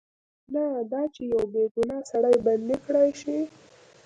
نه دا چې یو بې ګناه سړی بندي کړای شي.